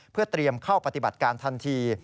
เพื่อเตรียมเข้าปฏิบัติการทันที